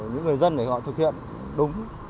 những người dân để họ thực hiện đúng